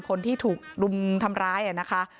คนที่ถูกรุมทำร้ายนะคะ